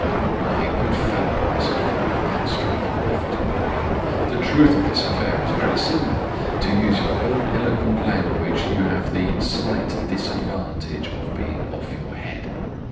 "My good fellow," I said firmly, striking my foot on the pavement, "the truth of this affair is very simple. To use your own eloquent language, you have the 'slight disadvantage' of being off your head.